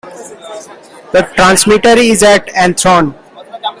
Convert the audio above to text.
The transmitter is at Anthorn.